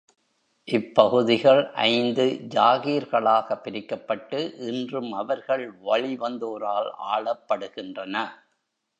இப் பகுதிகள் ஐந்து ஜாகீர்களாகப் பிரிக்கப்பட்டு, இன்றும் அவர்கள் வழி வந்தோரால் ஆளப்படுகின்றன.